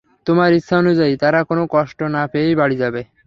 তোমার ইচ্ছানুযায়ী তারা কোন কষ্ট না পেয়েই বাড়ি যাবে?